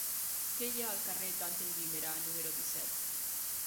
Què hi ha al carrer d'Àngel Guimerà número disset?